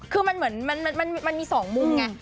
คือมันมีสองมุมไง